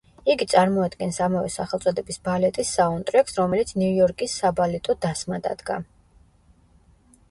იგი წარმოადგენს ამავე სახელწოდების ბალეტის საუნდტრეკს, რომელიც ნიუ-იორკის საბალეტო დასმა დადგა.